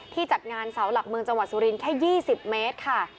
จัดงานเสาหลักเมืองจังหวัดสุรินทร์แค่๒๐เมตรค่ะ